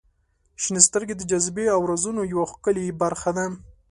• شنې سترګې د جاذبې او رازونو یوه ښکلې برخه ده.